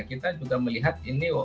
kita juga melihat ini